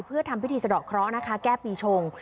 เพื่อทำพิธีสะดอกเคราะห์นะคะแก้ปีชง